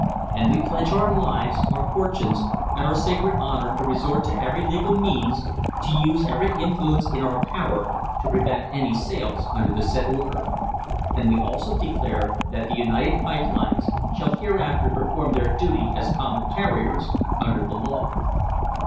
And we pledge our lives, our fortunes and our sacred honour to resort to every legal means, to use every influence in our power to prevent any sales under the said order. And we also declare that the United Pipe Lines shall hereafter perform their duty as common carriers under the law."